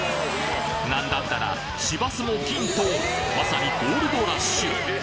なんだったら市バスも金とまさにゴールドラッシュ！